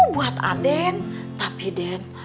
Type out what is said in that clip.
buat aden tapi aden